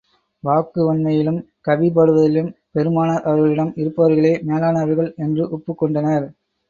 வாக்கு வன்மையிலும், கவி பாடுவதிலும் பெருமானார் அவர்களிடம் இருப்பவர்களே மேலானவர்கள் என்று ஒப்புக் கொண்டனர்.